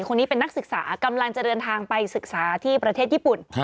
คนนี้เป็นนักศึกษากำลังจะเดินทางไปศึกษาที่ประเทศญี่ปุ่น